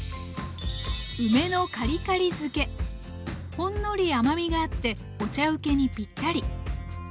ほんのり甘みがあってお茶請けにぴったり。